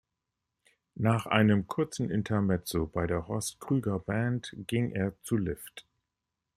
Nach einem kurzen Intermezzo bei der Horst Krüger Band ging er zu Lift.